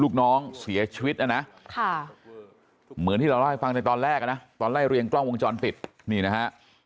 ลูกน้องเสียชีวิตนะนะเหมือนที่เราเล่าให้ฟังในตอนแรกนะตอนไล่เรียงกล้องวงจรปิดนี่นะฮะ